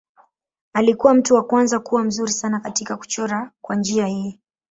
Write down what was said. Alikuwa mtu wa kwanza kuwa mzuri sana katika kuchora kwa njia hii.